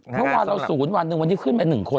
เมื่อวานเราสูญวันหนึ่งวันที่ขึ้นเป็นหนึ่งคน